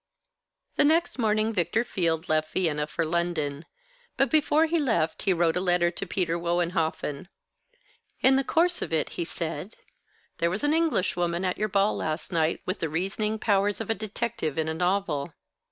The next morning Victor Field left Vienna for London; but before he left he wrote a letter to Peter Wohenhoffen. In the course of it he said: "There was an Englishwoman at your ball last night with the reasoning powers of a detective in a novel.